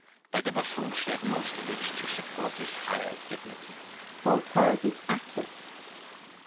But the bufibon should have most of it, to support his higher dignity. Malesherhes. Voltaire's is Attic.